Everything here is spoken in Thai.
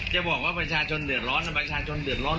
จะบอกว่าประชาชนเดือดร้อนประชาชนเดือดร้อน